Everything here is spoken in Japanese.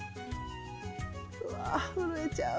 うわ震えちゃう。